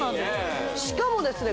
しかもですね